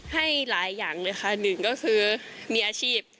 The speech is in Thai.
ให้หลายอย่างเลยค่ะหนึ่งก็คือมีอาชีพ